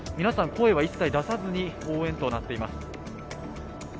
皆さん、声は一切出さずに応援となっています。